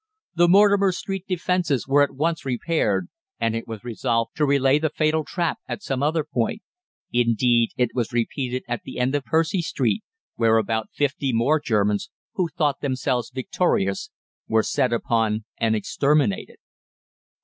"The Mortimer Street defences were at once repaired, and it was resolved to relay the fatal trap at some other point. Indeed, it was repeated at the end of Percy Street, where about fifty more Germans, who thought themselves victorious, were set upon and exterminated.